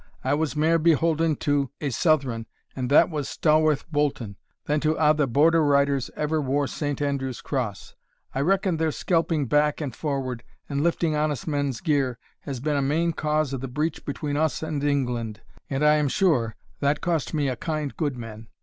I was mair beholden to ae Southron, and that was Stawarth Bolton, than to a' the border riders ever wore Saint Andrew's cross I reckon their skelping back and forward, and lifting honest men's gear, has been a main cause of a' the breach between us and England, and I am sure that cost me a kind goodman.